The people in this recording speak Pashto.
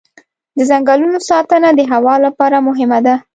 د ځنګلونو ساتنه د هوا لپاره مهمه ده.